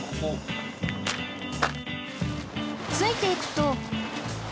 ついていくと